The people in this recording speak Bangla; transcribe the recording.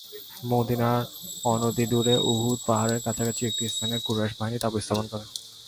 মদীনার অনতি দূরে উহুদ পাহাড়ের কাছাকাছি একটি স্থানে কুরাইশ বাহিনী তাঁবু স্থাপন করে।